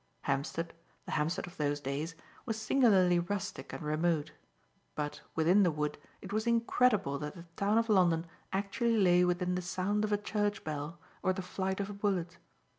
Hampstead the Hampstead of those days was singularly rustic and remote. But, within the wood, it was incredible that the town of London actually lay within the sound of a church bell or the flight of a bullet.